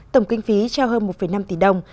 tổng kinh phí trao hơn một năm tỷ đồng